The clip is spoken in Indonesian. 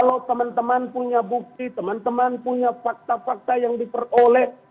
kalau teman teman punya bukti teman teman punya fakta fakta yang diperoleh